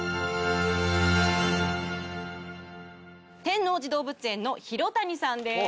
天王寺動物園の廣谷さんです